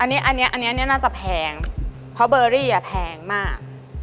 อันนี้อันนี้อันนี้อันนี้น่าจะแพงเพราะเบอร์รี่อ่ะแพงมาก